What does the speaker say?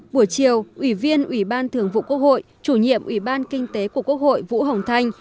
buổi chiều ủy viên ủy ban thường vụ quốc hội chủ nhiệm ủy ban kinh tế của quốc hội vũ hồng thanh